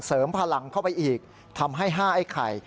พลังเข้าไปอีกทำให้๕ไอ้ไข่